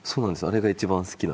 あれが一番好きなんです